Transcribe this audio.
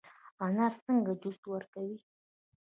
انار څنګه جوس ورکوي؟